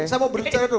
saya mau berbicara dulu